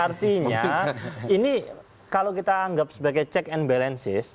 artinya ini kalau kita anggap sebagai check and balances